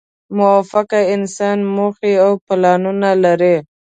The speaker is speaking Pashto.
موفق انسانان موخې او پلانونه لري.